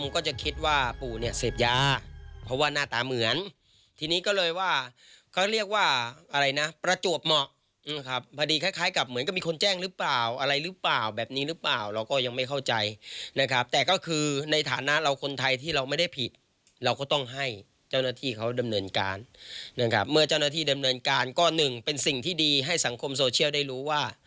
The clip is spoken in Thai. ก็หนึ่งเป็นสิ่งที่ดีให้สังคมโซเชียลได้รู้ว่า